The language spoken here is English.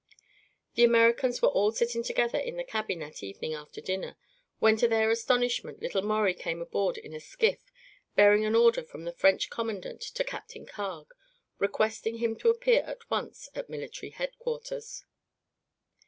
The Americans were all sitting together in the cabin that evening after dinner, when to their astonishment little Maurie came aboard in a skiff, bearing an order from the French commandant to Captain Carg, requesting him to appear at once at military headquarters.